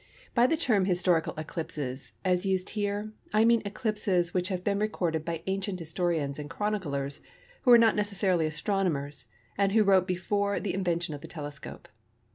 By the term "historical eclipses," as used here, I mean eclipses which have been recorded by ancient historians and chroniclers who were not necessarily astronomers, and who wrote before the invention of the telescope.